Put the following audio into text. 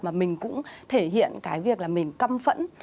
mà mình cũng thể hiện cái việc là mình căm phẫn